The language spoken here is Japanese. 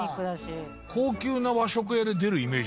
高級な和食屋で出るイメージ。